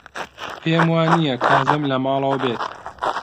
پێم وانییە کازم لە ماڵەوە بێت.